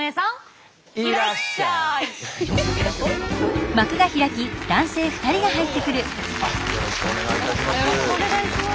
よろしくお願いします。